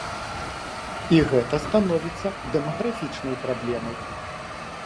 І гэта становіцца дэмаграфічнай праблемай.